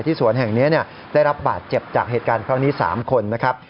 สวนแห่งนี้ได้รับบาดเจ็บจากเหตุการณ์ครั้งนี้๓คนนะครับ